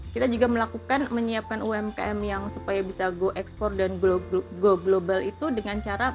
kita juga melakukan menyiapkan umkm yang supaya bisa go ekspor dan go global itu dengan cara